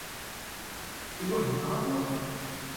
His childhood was marked by many tragedies and twists of fate.